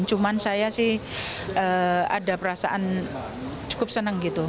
cuma saya sih ada perasaan cukup senang gitu